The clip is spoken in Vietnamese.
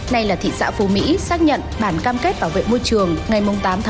nay là thị xã phú mỹ xác nhận bản cam kết bảo vệ môi trường ngày tám một mươi hai nghìn bảy